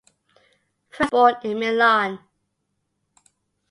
Francis was born in Milan.